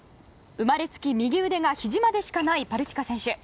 生まれつき右腕がひじまでしかないパルティカ選手。